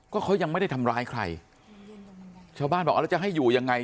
ก็เขายังไม่ได้ทำร้ายใครชาวบ้านบอกเอาแล้วจะให้อยู่ยังไง